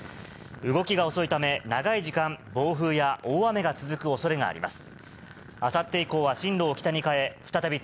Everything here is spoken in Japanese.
動きが遅いため、長い時間、暴風や大雨が続くおそれがあります。